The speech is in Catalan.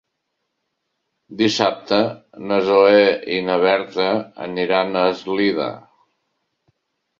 Dissabte na Zoè i na Berta aniran a Eslida.